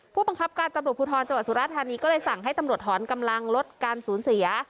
ผู้บังคับการตำรวจภูทรจังหวัดสุราธานีก็เลยสั่งให้ตำรวจถอนกำลังลดการสูญเสีย